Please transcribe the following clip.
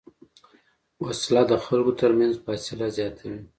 وسله د خلکو تر منځ فاصله زیاتوي